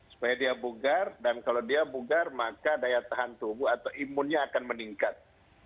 supaya dia bugar dan kalau dia bugar maka daya tahan tubuh atau imunnya akan meningkat